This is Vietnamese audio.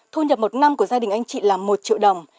thu nhập một năm của gia đình anh chị là một triệu đồng